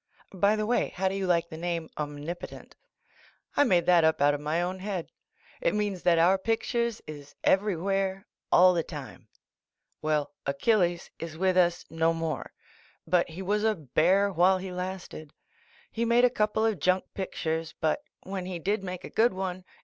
By the way. how do you like the name, "Omnipotent?" I made that up out of my own head. It means thai our pictures is everywhere, all the time. Well, Achilles is with us no 7Tiore. But he was a bear while he lasted. He made a coupk of junk pictures, but svhen he did make a good one.